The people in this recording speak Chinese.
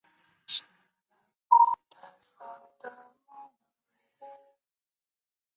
俄罗斯东方航空是一家总部位于伯力的俄罗斯区域航空公司。